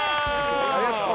ありがとう。